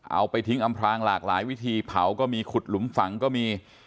เอาไปทิ้งอำพลางหลากหลายวิธีเผาก็มีขุดหลุมฝังก็มี